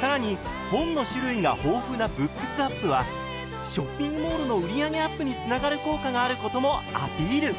更に本の種類が豊富なＢｏｏｋｓｗａｐはショッピングモールの売り上げアップにつながる効果があることもアピール！